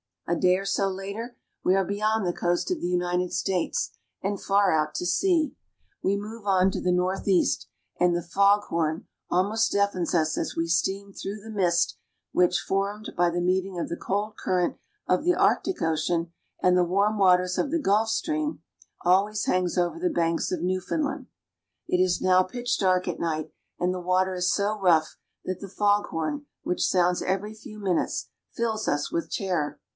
A day or so later, we are beyond the coast of the United States, and far out at sea. We move on to the northeast, and the fog horn almost deafens us as we steam through the mist which, formed by the meeting of the cold cur rent of the Arctic Ocean and the warm waters of the Gulf Stream, always hangs over the Banks of Newfound land. It is now pitch dark at night, and the water is so rough that the fog horn which sounds every few minutes fills us with terror.